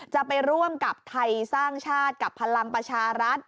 จะไปร่วมกับไทยสร้างชาติกับพลังประชารัฐ